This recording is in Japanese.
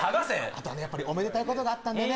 あとあのやっぱりおめでたいことがあったんでね